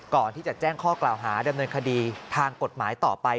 ก่อนที่จะแจ้งข้อกล่าวหาดำเนินคดีทางกฎหมายต่อไป